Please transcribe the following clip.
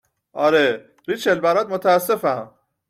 آره ، ریچل برات متاسفم